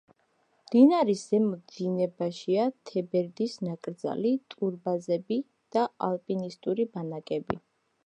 მდინარის ზემო დინებაშია თებერდის ნაკრძალი, ტურბაზები და ალპინისტური ბანაკები.